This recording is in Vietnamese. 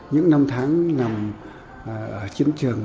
những năm tháng nằm ở chiến trường